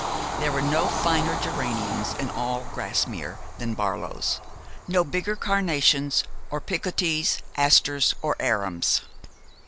There were no finer geraniums in all Grasmere than Barlow's, no bigger carnations or picotees, asters or arums.